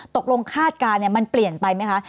คาดการณ์มันเปลี่ยนไปไหมคะ